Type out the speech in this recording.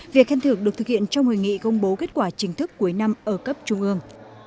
việc khen thưởng được thực hiện trong hội nghị công bố kết quả chính thức cuối năm ở cấp trung ương